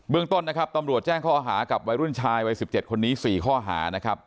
ต้นนะครับตำรวจแจ้งข้อหากับวัยรุ่นชายวัย๑๗คนนี้๔ข้อหานะครับ